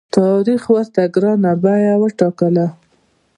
تاریخ ورته ګرانه بیه وټاکله.